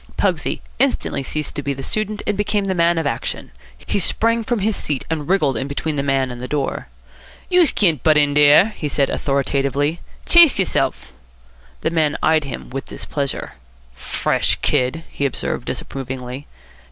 Pugsy instantly ceased to be the student and became the man of action. He sprang from his seat and wriggled in between the man and the door. "Youse can't butt in dere," he said authoritatively. "Chase yerself." The man eyed him with displeasure. "Fresh kid!" he observed disapprovingly.